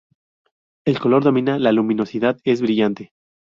El color domina, la luminosidad es brillante.